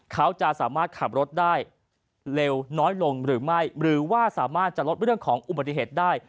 เขาจะสามารถขับรถได้เร็วน้อยลงหรือไม่หรือว่าสามารถจะลดเรื่องของอุบัติเหตุได้